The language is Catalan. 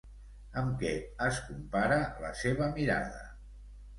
Amb què es compara la seva mirada?